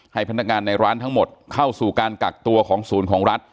ให้พนักงานในร้านทั้งหมดเข้าสู่การกักตัวของศูนย์ของรัฐ